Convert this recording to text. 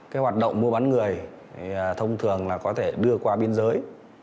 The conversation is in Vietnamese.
cái hoạt động mua bán người thông thường là có thể đưa qua biên giới